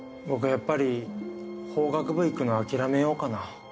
やっぱり法学部行くの諦めようかな。